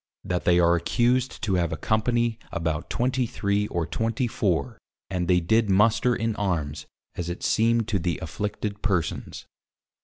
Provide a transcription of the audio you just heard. That they are accused to have a Company about 23 or 24 and they did Muster in Armes, as it seemed to the Afflicted Persons.